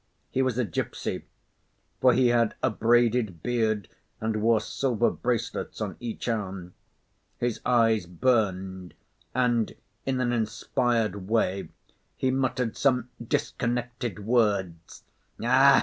He was a gipsy for he had a braided beard and wore silver bracelets on each arm. His eyes burned and, in an inspired way, he muttered some disconnected words: "Ah!